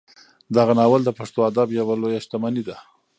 دغه ناول د پښتو ادب یوه لویه شتمني ده.